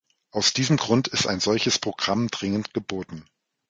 Aus diesem Grund ist ein solches Programm dringend geboten.